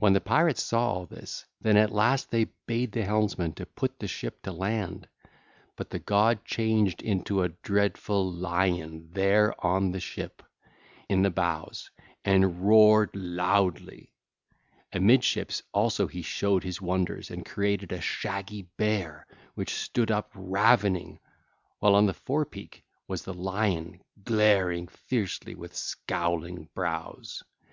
When the pirates saw all this, then at last they bade the helmsman to put the ship to land. But the god changed into a dreadful lion there on the ship, in the bows, and roared loudly: amidships also he showed his wonders and created a shaggy bear which stood up ravening, while on the forepeak was the lion glaring fiercely with scowling brows.